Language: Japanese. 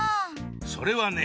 それはね